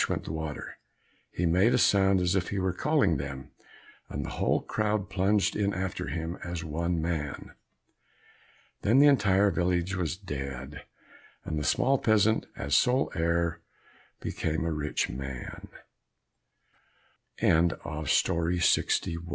went the water; he made a sound as if he were calling them, and the whole crowd plunged in after him as one man. Then the entire village was dead, and the small peasant, as sole heir, became a rich man. 62 The Queen Bee Two